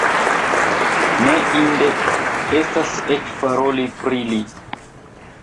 Ne inde estas eĉ paroli pri li!